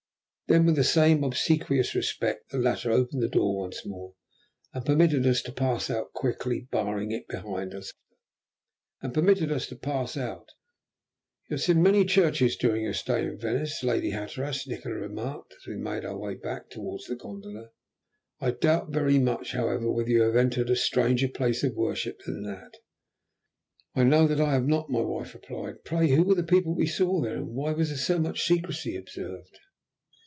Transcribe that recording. Then with the same obsequious respect the latter opened the door once more, and permitted us to pass out, quickly barring it behind us afterwards however. "You have seen many churches during your stay in Venice, Lady Hatteras," Nikola remarked, as we made our way back towards the gondola, "I doubt very much, however, whether you have ever entered a stranger place of worship than that." "I know that I have not," my wife replied. "Pray who were the people we saw there? And why was so much secrecy observed?"